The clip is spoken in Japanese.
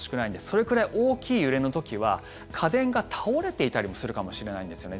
それくらい大きい揺れの時は家電が倒れていたりもするかもしれないんですよね。